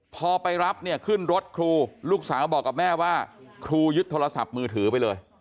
พอไปรับเนี่ยขึ้นรถครูลูกสาวบอกกับแม่ว่าครูยึดโทรศัพท์มือถือไปเลย